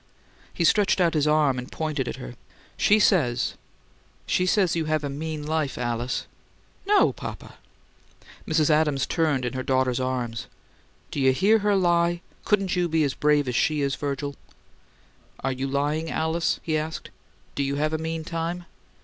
He stretched out his arm and pointed at her. "She says she says you have a mean life, Alice." "No, papa." Mrs. Adams turned in her daughter's arms. "Do you hear her lie? Couldn't you be as brave as she is, Virgil?" "Are you lying, Alice?" he asked. "Do you have a mean time?"